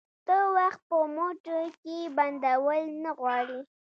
ته وخت په موټې کي بندول نه غواړي